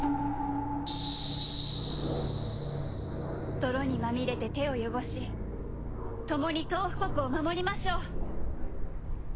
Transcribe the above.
泥にまみれて手を汚し共にトウフ国を守りましょう。